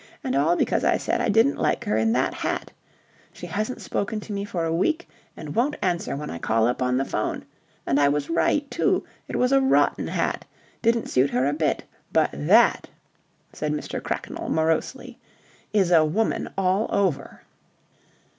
And all because I said I didn't like her in that hat. She hasn't spoken to me for a week, and won't answer when I call up on the 'phone. And I was right, too. It was a rotten hat. Didn't suit her a bit. But that," said Mr. Cracknell, morosely, "is a woman all over!"